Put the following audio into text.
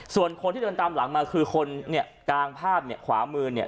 ส่วนคนที่เดินตามหลังมาคือคนเนี่ยกลางภาพเนี่ยขวามือเนี่ย